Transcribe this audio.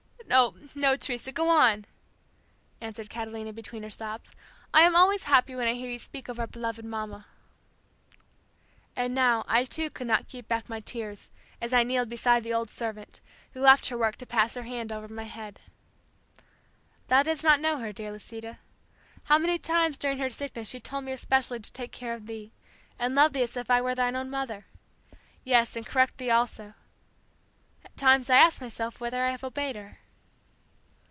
"No, no, Teresa, go on," answered Catalina between her sobs. "I am always happy when I hear you speak of our beloved Mamma." And now, I too could not keep back my tears as I kneeled beside the old servant, who left her work to pass her hand over my head. "Thou didst not know her, dear Lisita. How many times during her sickness she told me especially to take care of thee, and love thee as if I were thine own mother. Yes, and correct thee also.... At times I ask myself whether I have obeyed her."